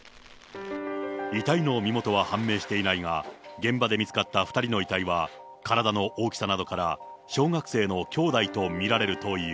遺体の身元は判明していないが、現場で見つかった２人の遺体は、体の大きさなどから小学生の兄弟と見られるという。